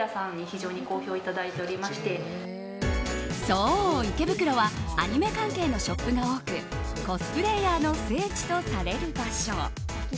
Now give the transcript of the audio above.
そう、池袋はアニメ関係のショップが多くコスプレーヤーの聖地とされる場所。